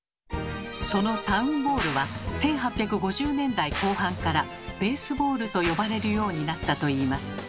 そのタウン・ボールは１８５０年代後半から「ベースボール」と呼ばれるようになったといいます。